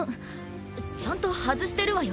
ちゃんと外してるわよ。